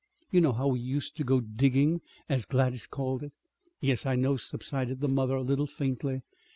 You know how we used to go 'digging,' as Gladys called it." "Yes, I know," subsided the mother, a little faintly.